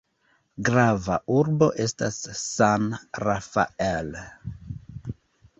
Grava urbo estas San Rafael.